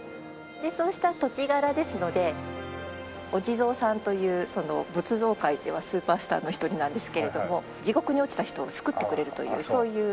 でそうした土地柄ですのでお地蔵さんという仏像界ではスーパースターの一人なんですけれども地獄に落ちた人を救ってくれるというそういう。